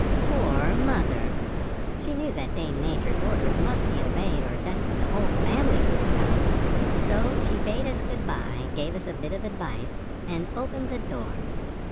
Poor mother! She knew that Dame Nature's orders must be obeyed or death to the whole family would come. So she bade us good bye, gave us a bit of advice, and opened the door.